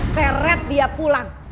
seret dia pulang